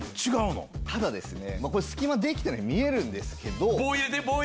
ただですねこれ隙間できてないように見えるんですけど。